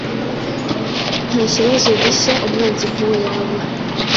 Nta kibazo gihya Umwanzi nkuwo yabura